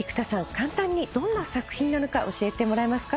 簡単にどんな作品なのか教えてもらえますか？